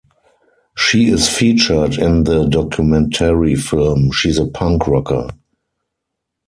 She is featured in the documentary film "She's a Punk Rocker".